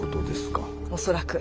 恐らく。